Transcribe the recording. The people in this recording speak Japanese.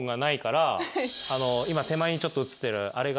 今手前にちょっと写ってるあれが。